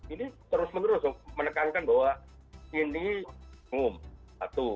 ini terus menerus menekankan bahwa ini umum satu